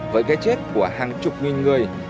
với cái chết của hàng chục nghìn người